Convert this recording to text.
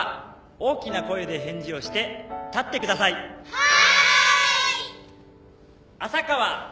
はい。